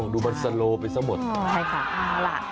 อ้อดูมันสะโลไปเสียหมด